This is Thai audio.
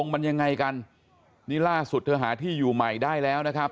มันยังไงกันนี่ล่าสุดเธอหาที่อยู่ใหม่ได้แล้วนะครับ